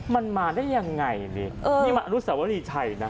มันมาได้ยังไงนี่มันอรุษสวรรค์วันนี้ไทยนะ